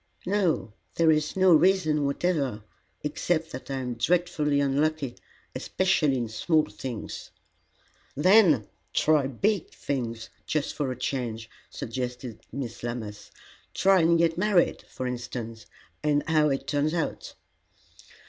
"No. There is no reason whatever, except that I am dreadfully unlucky, especially in small things." "Then try big things, just for a change," suggested Miss Lammas. "Try and get married, for instance, and see how it turns out."